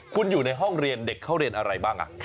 คุณอยู่ในห้องเรียนเด็กเขาเรียนอะไรบ้าง